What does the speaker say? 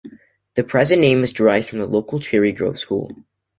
The present name is derived from the local Cherry Grove school.